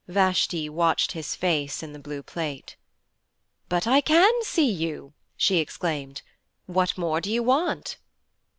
Vashti watched his face in the blue plate. 'But I can see you!' she exclaimed. 'What more do you want?'